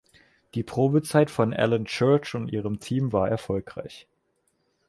Die Probezeit von Ellen Church und ihrem Team war erfolgreich.